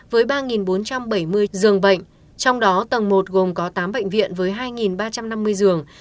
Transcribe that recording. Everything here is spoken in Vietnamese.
với ba bốn trăm bảy mươi giường bệnh trong đó tầng một gồm có tám bệnh viện với hai ba trăm năm mươi giường